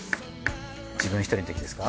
自分１人のときですか？